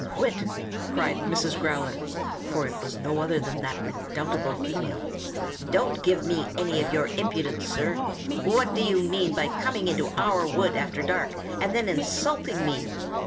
"Whit!" cried Mrs. Growler (for it was no other than that redoubtable female). "Don't give me any of your impudence, sir! What do you mean by coming into our wood after dark, and then insulting me?